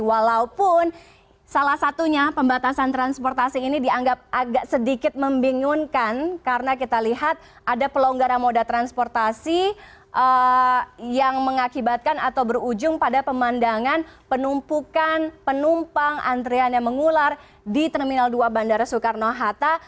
walaupun salah satunya pembatasan transportasi ini dianggap agak sedikit membingungkan karena kita lihat ada pelonggaran moda transportasi yang mengakibatkan atau berujung pada pemandangan penumpukan penumpang antrian yang mengular di terminal dua bandara soekarno hatta